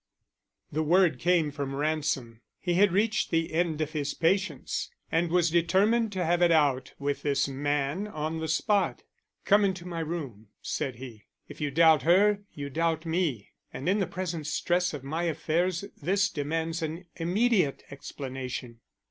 The word came from Ransom. He had reached the end of his patience and was determined to have it out with this man on the spot. "Come into my room," said he. "If you doubt her, you doubt me; and in the present stress of my affairs this demands an immediate explanation."